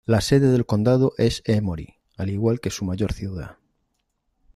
La sede del condado es Emory, al igual que su mayor ciudad.